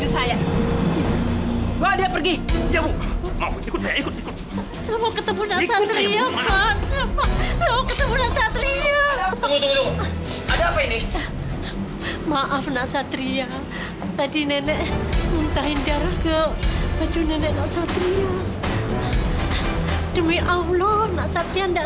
sampai jumpa di video selanjutnya